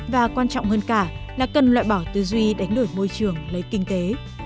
và quan trọng hơn cả là cần loại bỏ tư duy đánh đổi môi trường lấy kinh tế